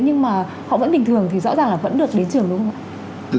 nhưng mà họ vẫn bình thường thì rõ ràng là vẫn được đến trường đúng không ạ